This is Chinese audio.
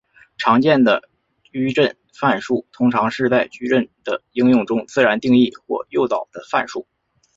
常见的矩阵范数通常是在矩阵的应用中自然定义或诱导的范数。